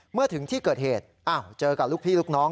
เมื่อถึงที่เกิดเหตุอ้าวเจอกับลูกพี่ลูกน้อง